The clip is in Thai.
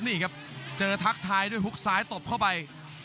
นี่ครับเจอทักทายด้วยฮุกซ้ายตบเข้าไป